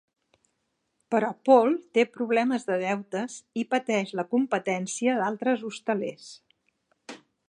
Però Paul té problemes de deutes i pateix la competència d'altres hostalers.